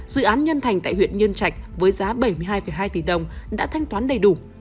dự án nhân thành tại huyện nhân trạch với giá bảy mươi hai hai tỷ đồng đã thanh toán đầy đủ